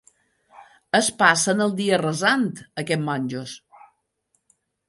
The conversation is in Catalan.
Es passen el dia resant, aquests monjos.